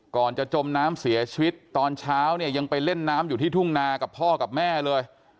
ก่อนจะจมน้ำเสียชีวิตตอนเช้าเนี่ยยังไปเล่นน้ำอยู่ที่ทุ่งนากับพ่อกับแม่เลย